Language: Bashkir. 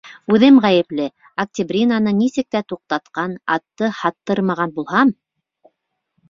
Үҙем ғәйепле, Октябринаны нисек тә туҡтатҡан, атты һаттырмаған булһам...